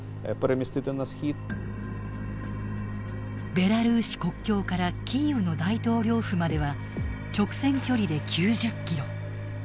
ベラルーシ国境からキーウの大統領府までは直線距離で９０キロ。